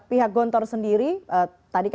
pihak gontor sendiri tadi